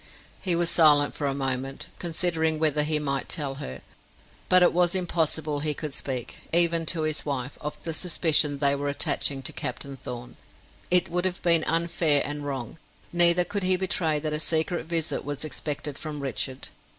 He was silent for a moment, considering whether he might tell her. But it was impossible he could speak, even to his wife, of the suspicion they were attaching to Captain Thorn. It would have been unfair and wrong; neither could he betray that a secret visit was expected from Richard.